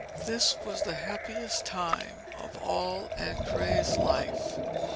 This was the happiest time of all Andrea's life.